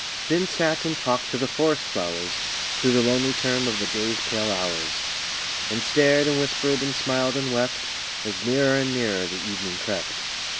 Then sat and talked to the forest flowers Through the lonely term of the day's pale hours. And stared and whispered and smiled and wept, As nearer and nearer the evening crept.